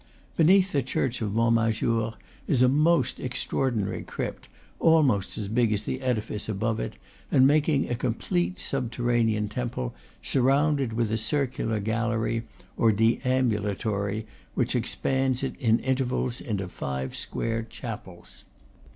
Beneath the church of Montmajour is a most extra ordinary crypt, almost as big as the edifice above it, and making a complete subterranean temple, sur rounded with a circular gallery, or deambulatory, which expands it intervals into five square chapels.